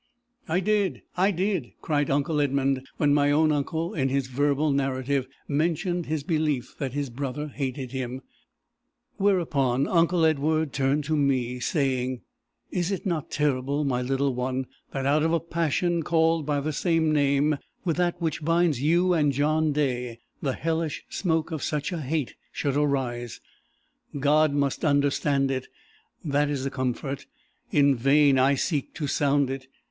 "I did! I did!" cried uncle Edmund, when my own uncle, in his verbal narrative, mentioned his belief that his brother hated him; whereupon uncle Edward turned to me, saying "Is it not terrible, my little one, that out of a passion called by the same name with that which binds you and John Day, the hellish smoke of such a hate should arise! God must understand it! that is a comfort: in vain I seek to sound it.